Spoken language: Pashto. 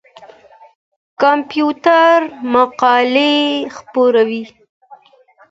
کمپيوټر مقالې خپروي.